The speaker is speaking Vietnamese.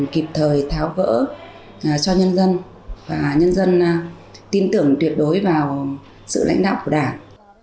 kịp thời tháo gỡ cho nhân dân và nhân dân tin tưởng tuyệt đối vào sự lãnh đạo của đảng